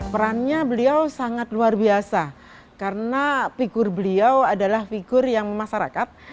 perannya beliau sangat luar biasa karena figur beliau adalah figur yang memasarakat